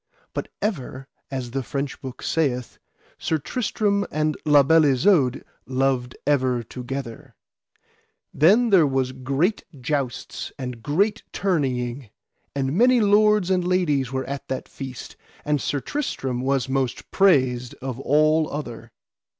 But ever, as the French book saith, Sir Tristram and La Beale Isoud loved ever together. Then was there great jousts and great tourneying, and many lords and ladies were at that feast, and Sir Tristram was most praised of all other.